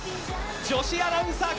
女子アナウンサー界